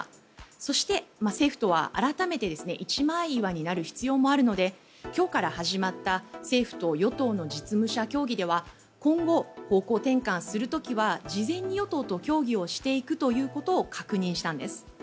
そして、政府は改めて一枚岩になる必要もあるので今日から始まった政府と与党の実務者協議では今後、方向転換する時は事前に与党と協議をしていくということを確認したんです。